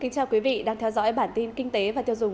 cảm ơn các bạn đã theo dõi